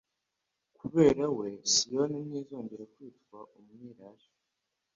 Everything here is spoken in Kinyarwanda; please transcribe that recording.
Kubera we, Sioni ntizongera kwitwa "Umwirare",